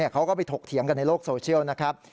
เขาก็ไปถกเถียงกันในโลกโซเชียลนะครับ